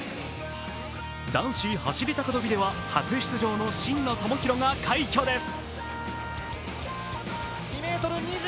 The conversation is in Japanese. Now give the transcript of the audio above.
男子走高跳では初出場の真野友博が快挙です。